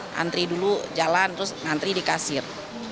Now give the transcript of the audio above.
ngantri dulu jalan terus ngantri di kasir